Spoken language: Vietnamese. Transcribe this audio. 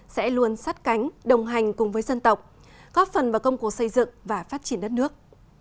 sẽ luôn sát cánh đồng hành cùng với dân tộc góp phần vào công cụ xây dựng và phát triển đất nước